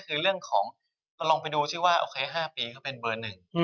คือเรื่องนี้เราลองไปดู๕ปีเขาเป็นเบอร์๑